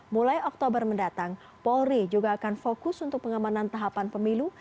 mulai oktober mendatang polri juga akan fokus untuk pengamanan tahapan pemilu